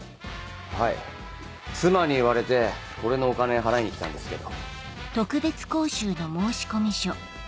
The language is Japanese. はい妻に言われてこれのお金払いに来たんですけど。